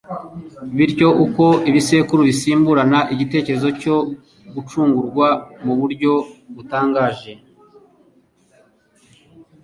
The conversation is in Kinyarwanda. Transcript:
Bityo uko ibisekuru bisimburana, igitekerezo cyo gucungurwa mu buryo butangaje,